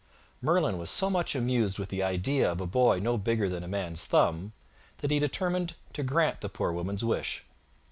Merlin was so much amused with the idea of a boy no bigger than a man's thumb that he determined to grant the Poor Woman's wish.